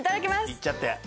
いっちゃって。